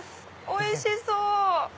おいしそう！